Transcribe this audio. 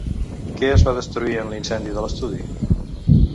Què es va destruir en l'incendi de l'estudi?